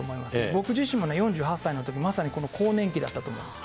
僕自身も４８歳のとき、まさにこの更年期だったと思うんです。